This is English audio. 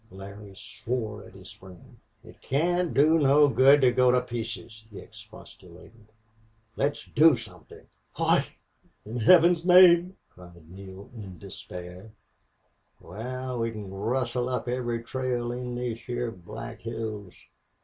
Larry swore at his friend. "It can't do no good to go to pieces," he expostulated. "Let's do somethin'." "What in Heaven's name!" cried Neale, in despair. "Wal, we can rustle up every trail in these heah Black Hills.